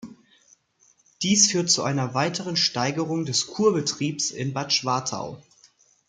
Dies führt zu einer weiteren Steigerung des Kurbetriebes in Bad Schwartau.